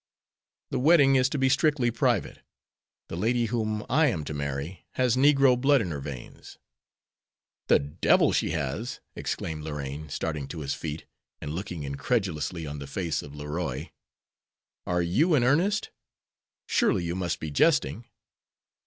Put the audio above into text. "The wedding is to be strictly private. The lady whom I am to marry has negro blood in her veins." "The devil she has!" exclaimed Lorraine, starting to his feet, and looking incredulously on the face of Leroy. "Are you in earnest? Surely you must be jesting."